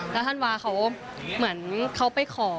แล้วธันวาเขาเหมือนเขาไปขอ